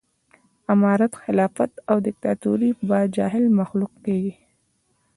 امارت خلافت او ديکتاتوري به جاهل مخلوق کېږي